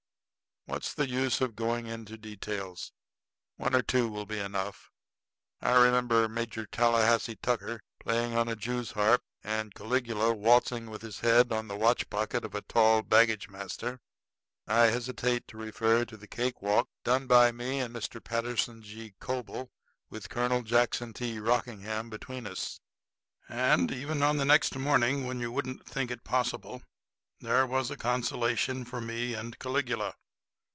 What's the use to go into details? One or two will be enough. I remember Major Tallahassee Tucker playing on a jew's harp, and Caligula waltzing with his head on the watch pocket of a tall baggage master. I hesitate to refer to the cake walk done by me and Mr. Patterson G. Coble with Colonel Jackson T. Rockingham between us. And even on the next morning, when you wouldn't think it possible, there was a consolation for me and Caligula.